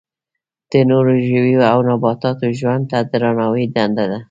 د نورو ژویو او نباتاتو ژوند ته درناوی دنده ده.